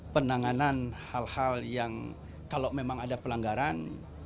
penanganan hal hal yang kalau memang ada pelanggaran